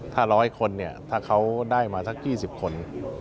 ถ้า๑๐๐คนเนี่ยถ้าเขาได้มาสัก๒๐คน